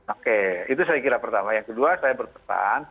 oke itu saya kira pertama yang kedua saya berpesan